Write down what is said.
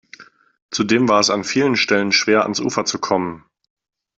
Zudem war es an vielen Stellen schwer, ans Ufer zu kommen.